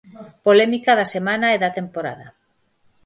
Polémica da semana e da temporada.